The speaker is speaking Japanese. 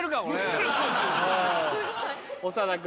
長田君。